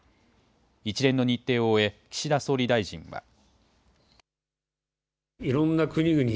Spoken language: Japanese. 一連の日程を終え、岸田総理大臣は。